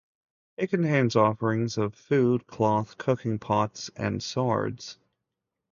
It contains offerings of food, cloth, cooking pots, and swords.